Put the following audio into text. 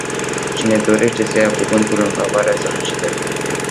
Cine dorește să ia cuvântul în favoarea solicitării?